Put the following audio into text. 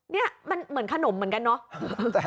นี่มันเหมือนขนมเหมือนกันเนาะ